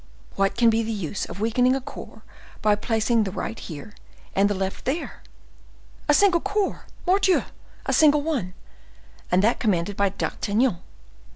What can be the use of weakening a corps by placing the right here, and the left there? A single corps—Mordioux! a single one, and that commanded by D'Artagnan.